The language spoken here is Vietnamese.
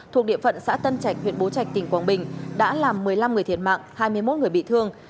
thuộc địa phận xã tân trạch huyện bố trạch tỉnh quảng bình đã làm một mươi năm người thiệt mạng hai mươi một người bị thương